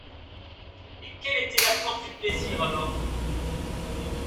Et quelle était la force du plaisir, alors!